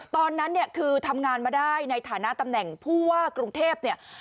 ตอนนั้นคือทำงานมาได้ในฐานะตำแหน่งผู้ว่ากรุงเทพ